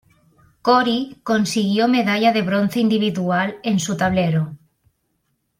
Cori consiguió medalla de bronce individual en su tablero.